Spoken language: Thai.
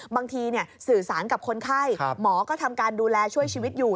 บางทีสื่อสารกับคนไข้หมอก็ทำการดูแลช่วยชีวิตอยู่